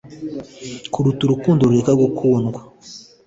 Kurota urukundo rureka gukundwa